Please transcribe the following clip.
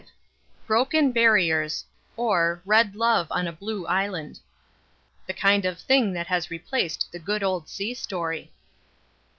V BROKEN BARRIERS OR, RED LOVE ON A BLUE ISLAND (The kind of thing that has replaced the good Old Sea Story) _V.